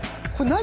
何？